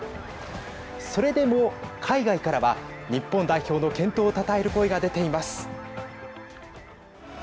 それでも、海外からは日本代表の健闘をたたえる声が出ています。